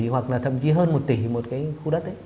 hoặc là thậm chí hơn một tỷ một khu đất